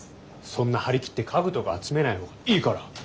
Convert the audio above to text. そんな張り切って家具とか集めない方がいいから。